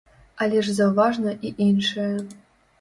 Але ж заўважна і іншае.